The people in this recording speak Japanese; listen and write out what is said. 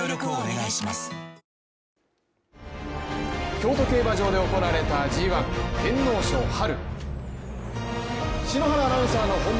京都競馬場で行われたＧⅠ天皇賞・春。